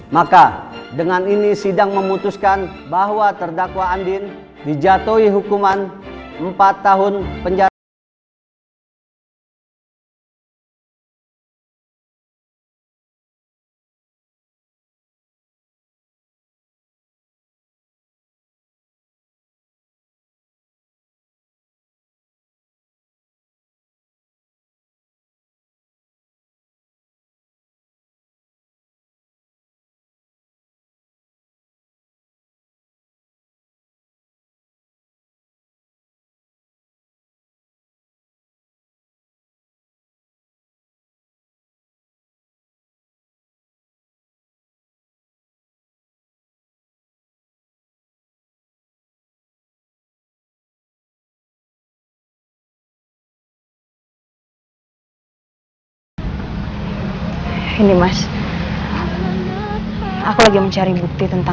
maka dengan ini sidang memutuskan bahwa terdakwa andin dijatuhi hukuman empat tahun penjara